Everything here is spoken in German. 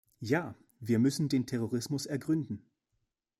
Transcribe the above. Ja, wir müssen den Terrorismus ergründen.